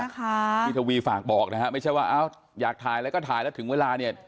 ทวีฝากบอกนะฮะไม่ใช่ว่าอยากถ่ายแล้วก็ถ่ายแล้วถึงเวลาเนี่ย